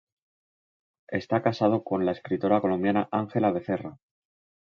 Está casado con la escritora colombiana Ángela Becerra.